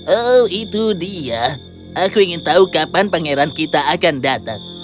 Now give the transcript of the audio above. oh itu dia aku ingin tahu kapan pangeran kita akan datang